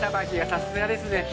さすがですね。